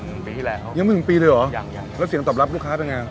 หนึ่งปีที่แล้วยังไม่ถึงปีเลยเหรอยังยังแล้วเสียงตอบรับลูกค้าเป็นไง